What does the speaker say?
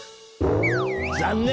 残念！